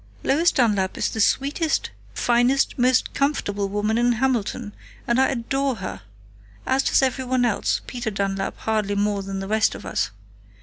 "Lois Dunlap is the sweetest, finest, most comfortable woman in Hamilton, and I adore her as does everyone else, Peter Dunlap hardly more than the rest of us.